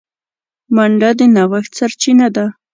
منډه د نوښت سرچینه ده